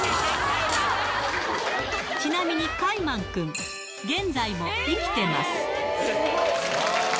ちなみにカイマンくん、現在も生きてます。